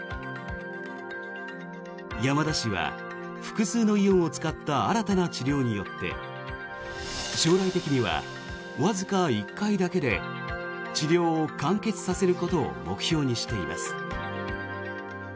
山田氏は複数のイオンを使った新たな治療によって将来的には、わずか１回だけで治療を完結させることを目標にしています。